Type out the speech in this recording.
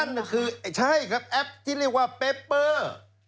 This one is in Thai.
นั่นคือใช่ครับแอปที่เรียกว่าเปเปอร์